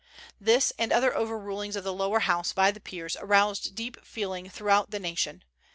This, and other overrulings of the Lower House by the Peers, aroused deep feeling throughout the nation.